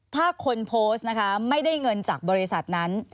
ถ้าคนโพสต์นะคะไม่ได้เงินจากบริษัทนั้น